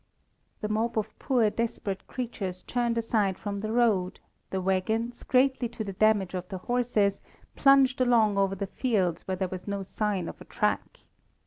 The mob of poor desperate creatures turned aside from the road; the waggons, greatly to the damage of the horses, plunged along over the fields where there was no sign of a track.